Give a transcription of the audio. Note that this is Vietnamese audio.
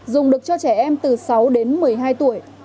dùng được cho trẻ em từ sáu đến một mươi hai tuổi